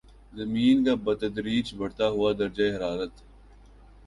زمین کا بتدریج بڑھتا ہوا درجۂ حرارت ہے